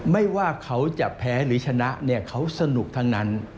ไม่ว่าเขาจะแพ้หรือชนะเนี่ยเขาสนุกทั้งนั้น